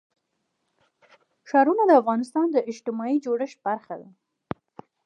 ښارونه د افغانستان د اجتماعي جوړښت برخه ده.